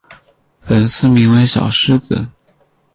粉丝名为小狮子。